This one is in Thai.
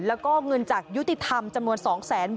แล้วก็เงินจากยุติธรรมจำนวน๒แสนบาท